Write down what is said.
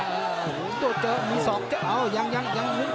โอ้โหเจอมีสอกอ้าวยังยังยังหนึ่งสอก